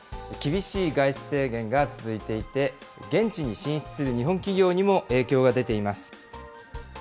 厳しい外出制限が続いていて、現地に進出する日本企業にも影響が出ています。